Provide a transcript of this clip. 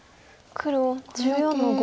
黒１４の五。